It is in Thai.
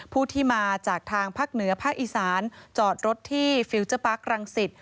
ผู้ที่มาจากทางภาคเหนือภาคอีสานจอดรถที่ฟิลเจอร์ปาร์ครังสิต